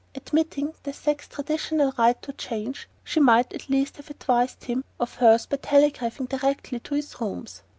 Admitting the sex's traditional right to change, she might at least have advised him of hers by telegraphing directly to his rooms.